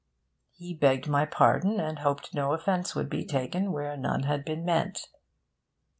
He begged my pardon and hoped no offence would be taken where none had been meant.